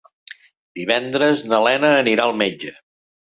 Divendres na Lena anirà al metge.